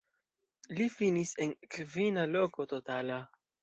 Li finis en kvina loko totala.